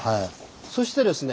そしてですね